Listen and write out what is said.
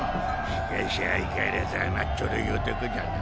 しかし相変わらず甘っちょろい男じゃな。